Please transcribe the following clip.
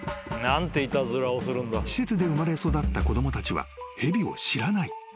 ［施設で生まれ育った子供たちは蛇を知らない］